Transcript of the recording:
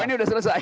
ini udah selesai